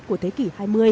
của thế kỷ hai mươi